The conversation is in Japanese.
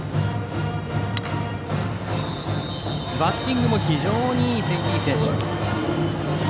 バッティングも非常にいい選手。